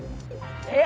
えっ？